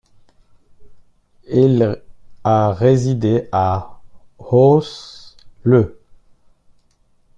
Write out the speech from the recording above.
Il a résidé à Hosle.